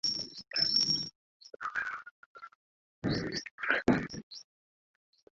আমরা কাজ ভাগ করে সেগুলো করার জন্য দিন ঠিক করে রাখি।